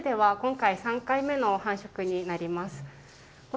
那須では今回、３回目の繁殖になります。